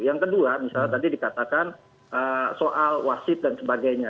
yang kedua misalnya tadi dikatakan soal wasit dan sebagainya